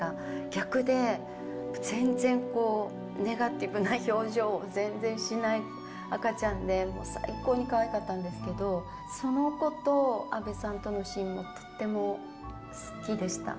逆で、全然ネガティブな表情を全然しない赤ちゃんで、最高にかわいかったんですけれども、その子と阿部さんとのシーンがとっても好きでした。